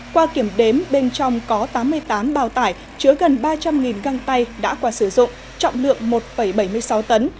qua kiểm đếm bên trong có tám mươi tám bào tải chứa gần ba trăm linh găng tay đã qua sử dụng trọng lượng một bảy mươi sáu tấn